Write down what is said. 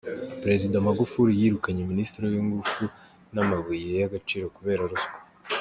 Perezida Magufuli yirukanye Minisitiri w’ ingufu n’ amabuye y’ agaciro kubera ruswa.